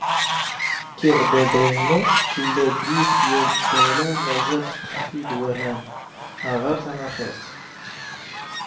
ⴽⴽⵉⵖ ⴷ ⴰⴱⴰⵢⵏⵓ ⵜⵍⵍⴰ ⴳⵉⵙ ⵢⴰⵜ ⵜⴰⵍⴰ ⵎⴰⵣⴰ ⵜⴻⵜⵜⴼⴼⵉ ⴷ ⵡⴰⵎⴰⵏ, ⴰ ⵖⴰⵔ ⵜⴰⵎⴰⵅⵉⵔⵜ.